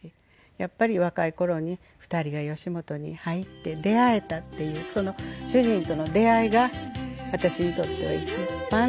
やっぱり若い頃に２人が吉本に入って出会えたっていうその主人との出会いが私にとっては一番大切です。